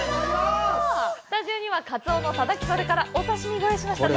スタジオにはカツオのタタキ、それから、お刺身をご用意しました。